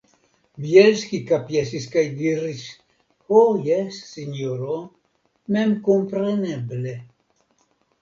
Bjelski kapjesis kaj diris: Ho jes, sinjoro, memkompreneble.